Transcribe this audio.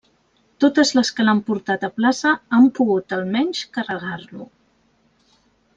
Totes les que l'han portat a plaça han pogut almenys carregar-lo.